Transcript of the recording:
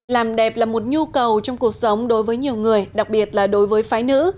làm đẹp là một nhu cầu trong cuộc sống đối với nhiều người đặc biệt là đối với phái nữ